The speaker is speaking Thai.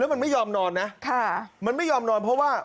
มันไม่ยอมนอนนะมันไม่ยอมนอนเพราะว่า